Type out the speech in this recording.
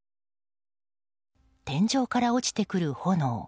天井から落ちてくる炎。